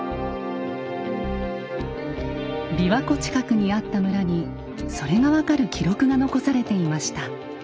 びわ湖近くにあった村にそれが分かる記録が残されていました。